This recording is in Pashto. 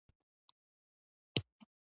احمد لمونځ نه کوي؛ څېره يې ګرځېدلې ده.